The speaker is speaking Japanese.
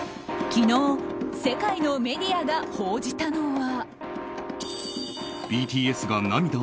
昨日世界のメディアが報じたのは。